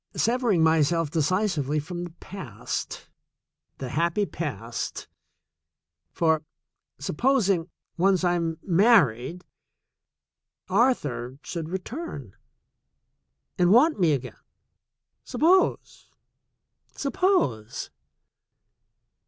"Severing my self decisively from the past — the happy past — for supposing, once I am married, Arthur should return and want me again — suppose ! Suppose